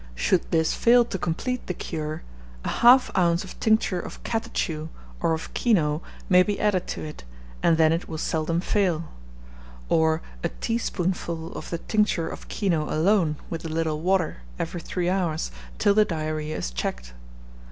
Should this fail to complete the cure, 1/2 oz. of tincture of catechu, or of kino, may be added to it, and then it will seldom fail; or a teaspoonful of the tincture of kino alone, with a little water, every three hours, till the diarrhoea is checked.